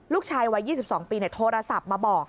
ลูกชายวัย๒๒ปีโทรศัพท์มาบอก